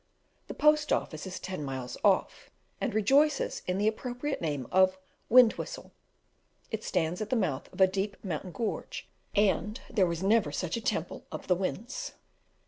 The post office is ten miles off, and rejoices in the appropriate name of "Wind whistle;" it stands at the mouth of a deep mountain gorge, and there never was such a temple of the winds.